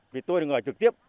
vì tôi là người trực tiếp